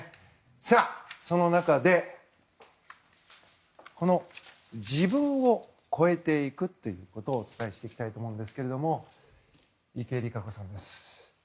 さあ、その中で自分を超えていくということをお伝えしたいと思いますが池江璃花子さんです。